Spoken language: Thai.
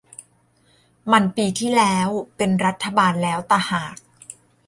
มันปีที่แล้ว เป็นรัฐบาลแล้วตะหาก